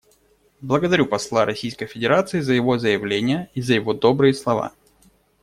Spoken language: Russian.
Благодарю посла Российской Федерации за его заявление и за его добрые слова.